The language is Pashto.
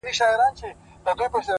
هره ورځ یو نوی درس لري,